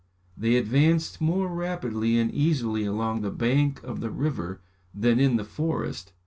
They advanced more rapidly and easily along the bank of the river than in the forest.